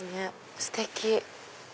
ステキ！